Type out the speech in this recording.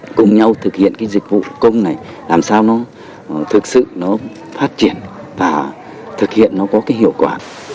để cùng nhau thực hiện dịch vụ công này làm sao nó thực sự phát triển và thực hiện nó có hiệu quả